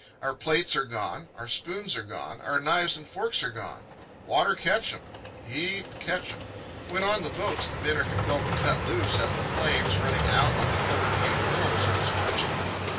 Our plates are gone; our spoons are gone; our knives and forks are gone. "Water catch 'em; h e a p catch 'em." When on the boats, the men are compelled to cut loose, as the flames, running out on the overhanging willows, are scorching them.